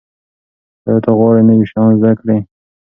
ایا ته غواړې نوي شیان زده کړې؟